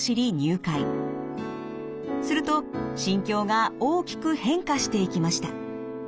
すると心境が大きく変化していきました。